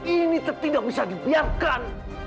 ini tetidak bisa dibiarkan